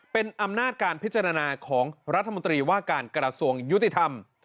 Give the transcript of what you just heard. เป็นอำนาจการพิจารณาของรัฐมนตรีว่าการกระทรวงยุติธรรม